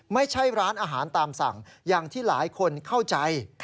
ไม่ใช่ร้านอาหารตามสั่งอย่างที่หลายคนเข้าใจ